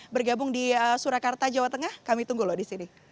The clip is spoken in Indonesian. bergabung di surakarta jawa tengah kami tunggu loh di sini